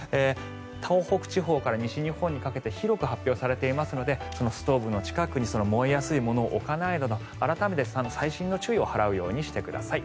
東北地方から西日本にかけて広く発表されていますのでストーブの近くに燃えやすいものを置かないなど改めて細心の注意を払うようにしてください。